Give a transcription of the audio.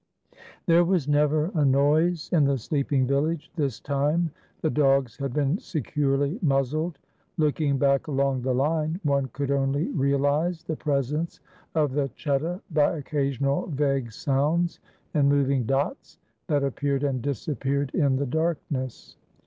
There was never a noise in the sleeping village. This time the dogs had been securely muzzled. Looking back along the line, one could only realize the presence of the cheta by occasional vague sounds and moving dots, that appeared and disappeared in the darkness.